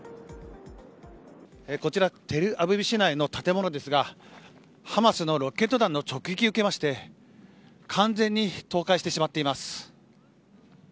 こちら、テルアビブ市内の建物ですがハマスのロケット弾の直撃を受けて完全に倒壊してしまっています。